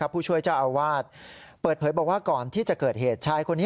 ผู้ช่วยเจ้าอวาทเปิดเพย์ว่าก่อนที่จะเกิดเหตุ